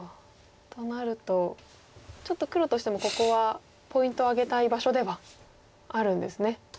となるとちょっと黒としてもここはポイントを挙げたい場所ではあるんですね。